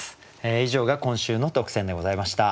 以上が今週の特選でございました。